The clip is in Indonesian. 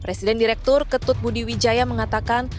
presiden direktur ketut budi wijaya mengatakan